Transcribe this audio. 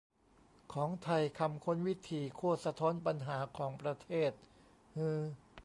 ของไทยคำค้น "วิธี" โคตรสะท้อนปัญหาของประเทศ ฮือ